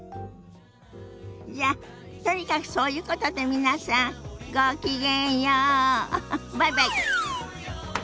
じゃとにかくそういうことで皆さんごきげんようバイバイ。